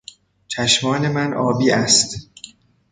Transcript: چشمان من آبی است.